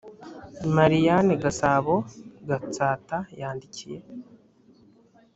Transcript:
marianne gasabo gatsata yandikiye